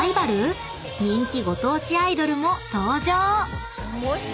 人気ご当地アイドルも登場］